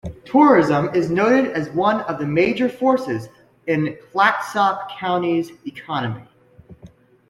Tourism is noted as one of the major forces in Clatsop County's economy.